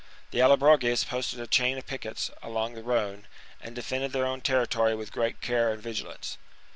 The AUobroges posted a chain of piquets along the Rhone, and defended their own territory with great care and vigilance.